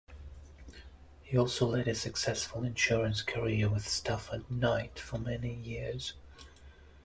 He also led a successful insurance career with Stafford Knight for many years.